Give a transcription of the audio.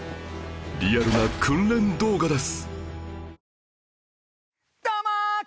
リアルな訓練動画です